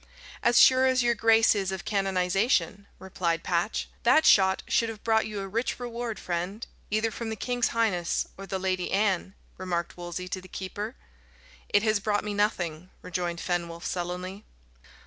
"As sure as your grace is of canonisation," replied Patch. "That shot should have brought you a rich reward, friend either from the king's highness or the Lady Anne," remarked Wolsey to the keeper. "It has brought me nothing," rejoined Fenwolf sullenly.